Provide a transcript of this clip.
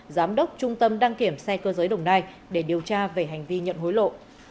giám đốc trung tâm đăng kiểm xe cơ giới đồng nai để điều tra về hành vi nhận hối lộ